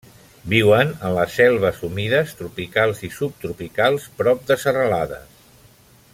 Viuen en les selves humides tropicals i subtropicals, prop de serralades.